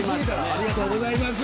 ありがとうございます。